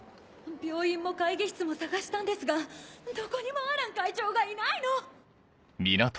病院も会議室も捜したんですがどこにもアラン会長がいないの！